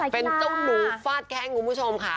เป็นเจ้าหนูฟาดแข้งคุณผู้ชมค่ะ